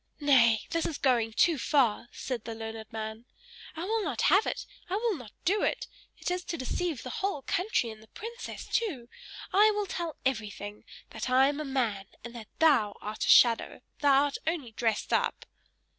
"Nay, this is going too far!" said the learned man. "I will not have it; I will not do it! It is to deceive the whole country and the princess too! I will tell everything! That I am a man, and that thou art a shadow thou art only dressed up!"